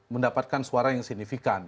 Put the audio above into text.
mendapatkan suara yang signifikan